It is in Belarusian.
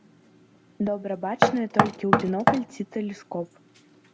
Добра бачныя толькі ў бінокль ці тэлескоп.